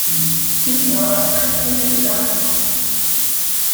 C'est une race très proche de l'hariana.